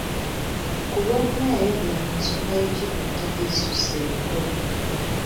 Ku lwokuna yayogera ku nsonga y’ekibbattaka ekisusse e Mukono.